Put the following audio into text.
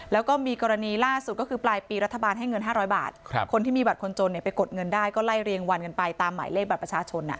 แล้วก็มีกรณีล่าสุดก็คือปลายปีรัฐบาลให้เงิน๕๐๐บาทคนที่มีบัตรคนจนไปกดเงินได้ก็ไล่เรียงวันกันไปตามหมายเลขบัตรประชาชน